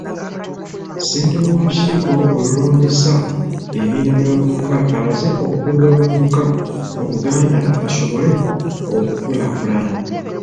Ssentebe w'olukiiko olulondesa ebibiina by' abavubuka alaze obukulu bw'abavubuka mu Buganda basobole okukulaakulana.